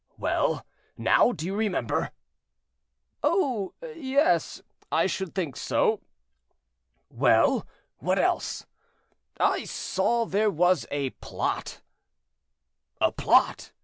"Well, now do you remember?" "Oh, yes, I should think so." "Well, what else?" "I saw that there was a plot." "A plot!"